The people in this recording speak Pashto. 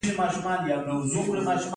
تشریفاتي لګښتونه بودیجه خوري.